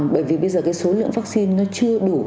bởi vì bây giờ cái số lượng vaccine nó chưa đủ